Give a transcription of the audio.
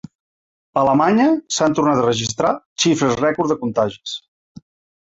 A Alemanya, s’han tornat a registrar xifres rècord de contagis.